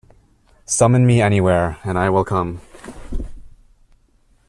Summon me anywhere, and I will come.